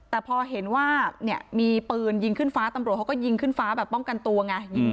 แต่พอเห็นว่าเนี่ยมีปืนยิงขึ้นฟ้าตำรวจเขาก็ยิงขึ้นฟ้าแบบป้องกันตัวไง